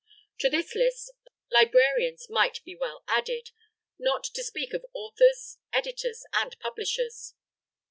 To this list, librarians might be well added not to speak of authors, editors, and publishers.